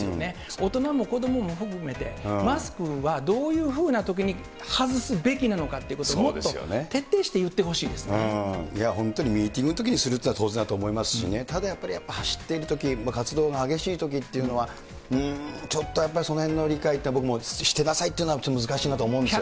大人も子どもも含めて、マスクはどういうふうなときに外すべきなのかっていうことをもっいや、本当にミーティングのときにするっていうのは当然だと思いますしね、ただやっぱり走ってるとき、活動が激しいときっていうのは、ちょっとやっぱりそのへんの理解って、僕もしてなさいというのはちょっと難しいなと思うんですけどね。